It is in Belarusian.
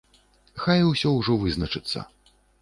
Хай усё ўжо вызначыцца.